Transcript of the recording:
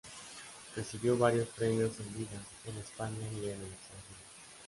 Recibió varios premios en vida, en España y en el extranjero.